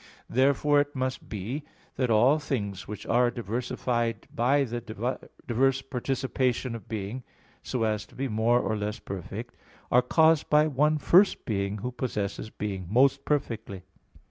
Therefore it must be that all things which are diversified by the diverse participation of being, so as to be more or less perfect, are caused by one First Being, Who possesses being most perfectly.